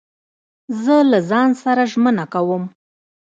زه له ځان سره ژمنه کوم.